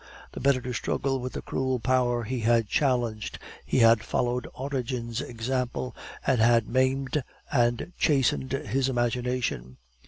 The better to struggle with the cruel power that he had challenged, he had followed Origen's example, and had maimed and chastened his imagination.